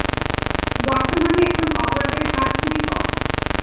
বর্তমানে এখানে অপরাধের হার খুবই কম।